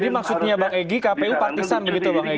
jadi maksudnya bang egy kpu partisan gitu bang egy